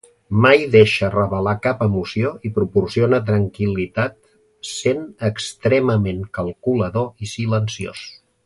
Mai deixa revelar cap emoció i proporciona tranquil·litat sent extremament calculador i silenciós.